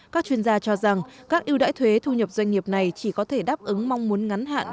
các chuyên gia cho rằng các ưu đãi thuế thu nhập doanh nghiệp này chỉ có thể đáp ứng mong muốn ngắn hạn